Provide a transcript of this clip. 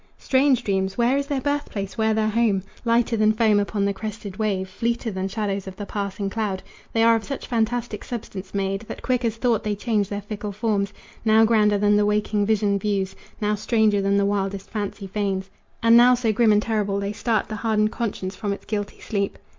Strange dreams! Where is their birthplace where their home? Lighter than foam upon the crested wave, Fleeter than shadows of the passing cloud, They are of such fantastic substance made That quick as thought they change their fickle forms Now grander than the waking vision views, Now stranger than the wildest fancy feigns, And now so grim and terrible they start The hardened conscience from its guilty sleep.